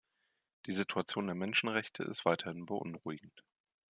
Die Situation der Menschenrechte ist weiterhin beunruhigend.